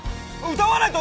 歌わないと！